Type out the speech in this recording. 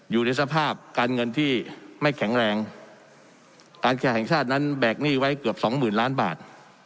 อยู่ในสภาพการเงินที่ไม่แข็งแรงการแข่งชาตินั้นแบกหนี้ไว้เกือบสองหมื่นล้านบาท